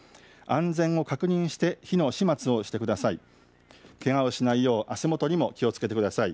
安全を確認して火の始末をしてください。